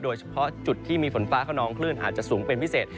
โดยเฉพาะจุดที่มีฝนฟ้าขนองคลื่นอาจจะสูงเป็นพิเศษ